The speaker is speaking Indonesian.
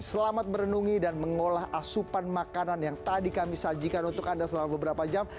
selamat merenungi dan mengolah asupan makanan yang tadi kami sajikan untuk anda selama beberapa jam